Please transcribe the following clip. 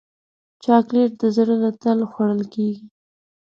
چاکلېټ د زړه له تله خوړل کېږي.